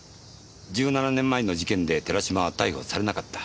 １７年前の事件で寺島は逮捕されなかった。